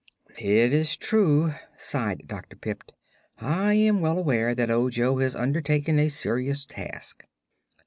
"It is true," sighed Dr. Pipt. "I am well aware that Ojo has undertaken a serious task."